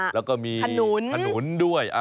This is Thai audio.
แล้วก็มีขนุนด้วย